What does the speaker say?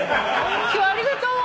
今日ありがとう。